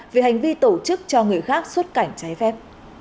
về hành vi tổ chức cho người khác xuất cảnh trái phép